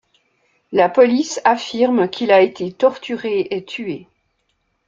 La police affirme qu'il a été torturé et tué.